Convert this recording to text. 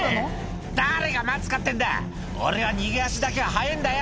「誰が待つかってんだ俺は逃げ足だけは速えぇんだよ」